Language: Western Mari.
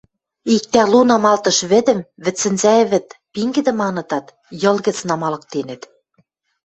Иктӓ лу намалтыш вӹдӹм, вӹдсӹнзӓ вӹд пингӹдӹ манытат, Йыл гӹц намалыктенӹт.